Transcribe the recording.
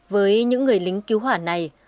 với những người lính cứu hỏa này